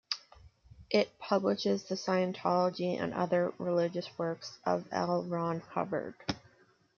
It publishes the Scientology and other religious works of L. Ron Hubbard.